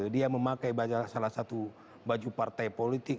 dia memakai salah satu baju partai politik